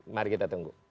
mari kita tunggu